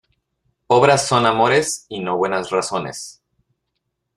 Obras son amores y no buenas razones.